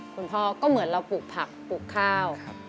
คุณพ่อก็เหมือนเราปลูกผักปลูกข้าว